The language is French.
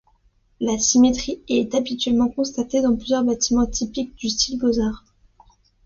La symétrie est habituellement constatée dans plusieurs bâtiments typiques du style Beaux-Arts.